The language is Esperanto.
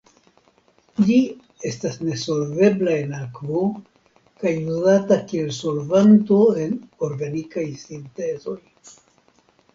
Ĝi estas nesolvebla en akvo kaj uzata kiel solvanto en organikaj sintezoj.